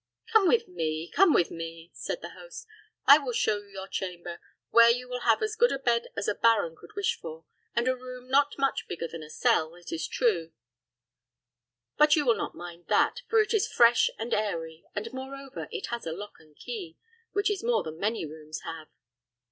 "Come with me come with me," said the host; "I will show you your chamber, where you will have as good a bed as a baron could wish for, and a room, not much bigger than a cell, it is true; but you will not mind that, for it is fresh and airy, and, moreover, it has a lock and key, which is more than many rooms have."